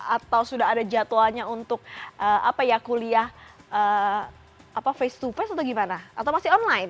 atau sudah ada jadwalnya untuk kuliah face to face atau gimana atau masih online